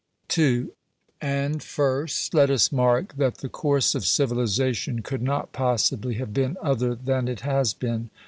• And first let us mark, that the course of civilization could t not possibly have been other than it has been.